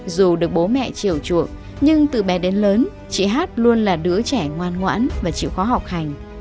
dù được bố mẹ triều chuộng nhưng từ bé đến lớn chị hát luôn là đứa trẻ ngoan ngoãn và chịu khó học hành